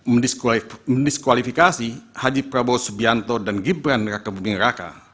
yang ketiga mendiskualifikasi haji prabowo subianto dan gibran raka bubing raka